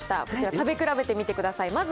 こちら、食べ比べてみてください。